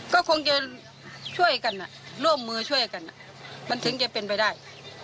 ก็คงจะช่วยกันร่วมมือช่วยกันมันถึงจะเป็นไปได้